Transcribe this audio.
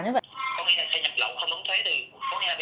có nghĩa là xe nhập lậu không đúng thế thì